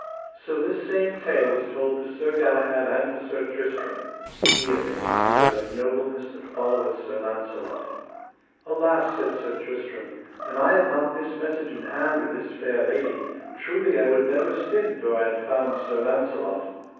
So this same tale was told to Sir Galahad and to Sir Tristram:—here may ye hear the nobleness that followeth Sir Launcelot. Alas, said Sir Tristram, an I had not this message in hand with this fair lady, truly I would never stint or I had found Sir Launcelot.